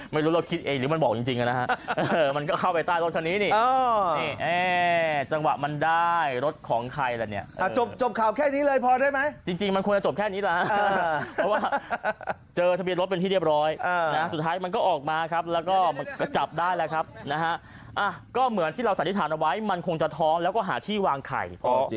ไม่รู้เราคิดเองหรือมันบอกจริงนะฮะมันก็เข้าไปใต้รถคันนี้นี่จังหวะมันได้รถของใครล่ะเนี่ยจบข่าวแค่นี้เลยพอได้ไหมจริงมันควรจะจบแค่นี้แหละเพราะว่าเจอทะเบียนรถเป็นที่เรียบร้อยสุดท้ายมันก็ออกมาครับแล้วก็มันก็จับได้แล้วครับนะฮะก็เหมือนที่เราสันนิษฐานเอาไว้มันคงจะท้องแล้วก็หาที่วางไข่